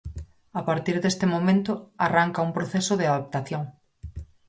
A partir deste momento, arranca un proceso de adaptación.